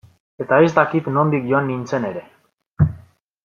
Eta ez dakit nondik joan nintzen ere.